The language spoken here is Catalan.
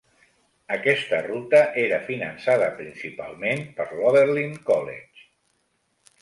Aquesta ruta era finançada principalment per l'Oberlin College.